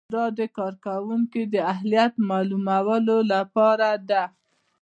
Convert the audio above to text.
دا د کارکوونکي د اهلیت معلومولو لپاره ده.